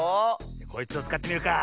こいつをつかってみるか。